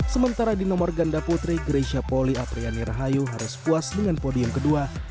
sementara di nomor ganda putri greysia poli apriani rahayu harus puas dengan podium kedua